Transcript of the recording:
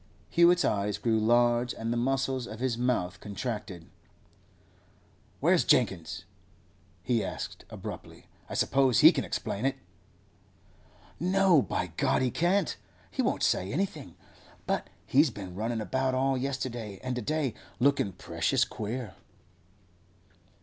Hewett's eyes grew large and the muscles of his mouth contracted. 'Where's Jenkins?' he asked abruptly. 'I suppose he can explain it?' 'No, by God, he can't! He won't say nothing, but he's been runnin' about all yesterday and to day, lookin' precious queer.